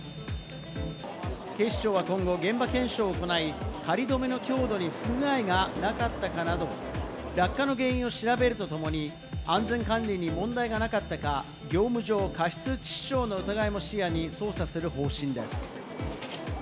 警視庁は今後、現場検証を行い、仮止めの強度に不具合がなかったかなど、落下の原因を調べるとともに、安全管理に問題がなかったか、業務上過失致死傷の疑いも視野に捜査する方針です。